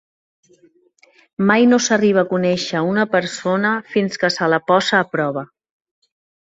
Mai no s'arriba a conèixer una persona fins que se la posa a prova.